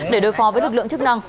để đối phó với lực lượng chức năng